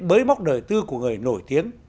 bới móc nời tư của người nổi tiếng